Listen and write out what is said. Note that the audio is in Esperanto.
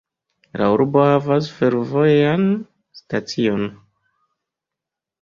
La urbo havas fervojan stacion.